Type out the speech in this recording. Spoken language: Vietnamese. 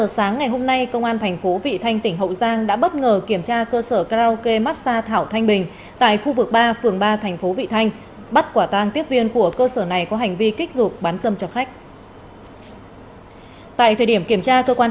các bạn hãy đăng kí cho kênh lalaschool để không bỏ lỡ những video hấp dẫn